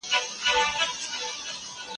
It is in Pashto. كه ورمات يې كړي هډونه